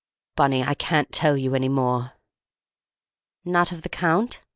Bunny, I can't tell you any more." "Not of the Count?"